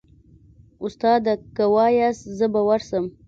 استاده که واياست زه به ورسم.